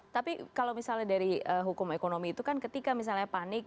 tapi kalau misalnya dari hukum ekonomi itu kan ketika misalnya panik